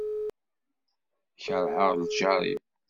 Kerheɣ lǧar-iw.